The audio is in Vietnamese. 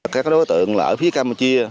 các đối tượng ở phía campuchia